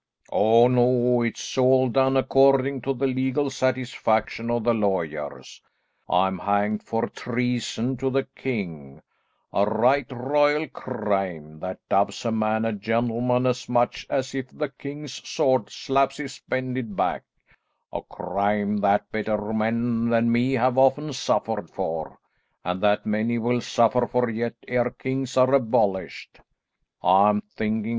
Oh no, it's all done according to the legal satisfaction of the lawyers. I'm hanged for treason to the king; a right royal crime, that dubs a man a gentleman as much as if the king's sword slaps his bended back; a crime that better men than me have often suffered for, and that many will suffer for yet ere kings are abolished, I'm thinking.